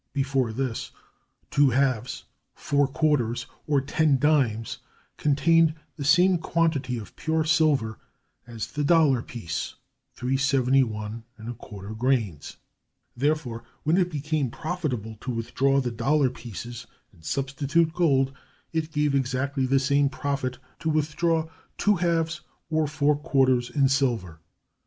Before this, two halves, four quarters, or ten dimes contained the same quantity of pure silver as the dollar piece (371 ¼ grains); therefore, when it became profitable to withdraw the dollar pieces and substitute gold, it gave exactly the same profit to withdraw two halves or four quarters in silver.